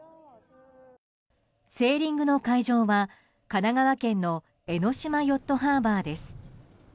セーリングの会場は、神奈川県の江の島ヨットハーバーです。